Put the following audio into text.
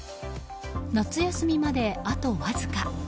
夏休みまで、あとわずか。